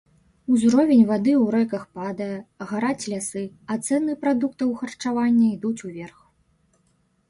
Узровень вады ў рэках падае, гараць лясы, а цэны прадуктаў харчавання ідуць уверх.